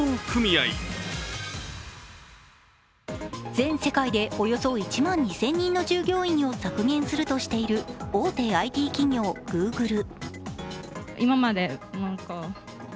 全世界でおよそ１万２０００人の従業員を削減するとしている大手ＩＴ企業、Ｇｏｏｇｌｅ。